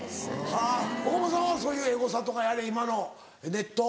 はぁ岡本さんはそういうエゴサとかやれ今のネット。